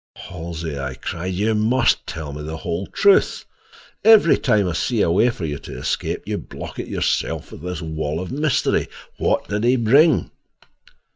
"Halsey," I cried, "you must tell me the whole truth. Every time I see a way for you to escape you block it yourself with this wall of mystery. What did he bring?"